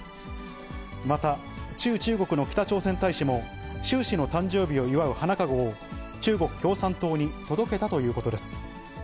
また、駐中国の北朝鮮大使も、習氏の誕生日を祝う花籠を、中国共産党に届けたということです。